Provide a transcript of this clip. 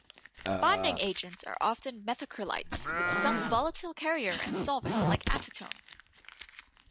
Bonding agents are often methacrylates with some volatile carrier and solvent like acetone.